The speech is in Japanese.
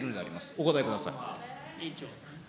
お答えください。